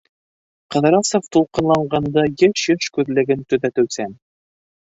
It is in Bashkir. Ҡыҙрасов тулҡынланғанда йыш-йыш күҙлеген төҙәтеүсән: